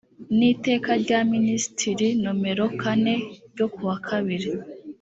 n iteka rya minisitiri nomero kane ryo kuwa kabiri